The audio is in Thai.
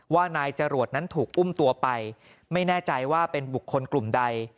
ว่านายจรวดนั้นถูกอุ้มตัวไปไม่แน่ใจว่าเป็นบุคคลกลุ่มใด